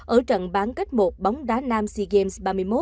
ở trận bán kết một bóng đá nam sea games ba mươi một